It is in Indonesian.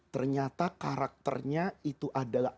ternyata karakternya itu adalah